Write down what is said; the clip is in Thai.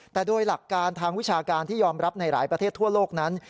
แต่โดยหลักการทางวิชาการที่ยอมรับในหลายประเทศทั่วโลกนั้น